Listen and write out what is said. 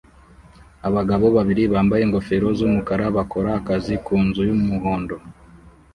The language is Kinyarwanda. Abagabo babiri bambaye ingofero z'umukara bakora akazi ku nzu y'umuhondo